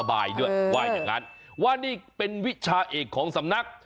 ด้วยว่าอย่างนั้นว่านี่เป็นวิชาเอกของสำนัก